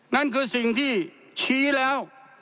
นั่นคือสิ่งที่ชี้แล้ว